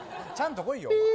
ちゃんとこいよ。